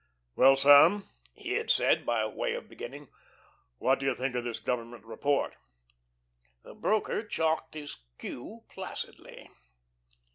"Well, Sam," he had said, by way of a beginning, "what do you think of this Government report?" The broker chalked his cue placidly.